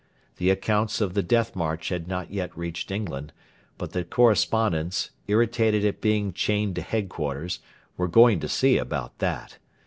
The accounts of 'The Death March' had not yet reached England; but the correspondents, irritated at being 'chained to headquarters,' were going to see about that.